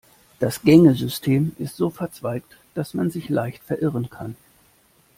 Das Gängesystem ist so verzweigt, dass man sich leicht verirren kann.